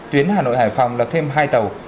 tuyến hà nội hải phòng lập thêm hai tàu